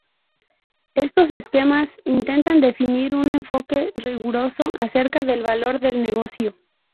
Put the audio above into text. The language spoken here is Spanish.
Estos esquemas intentan definir un enfoque riguroso acerca del valor del negocio.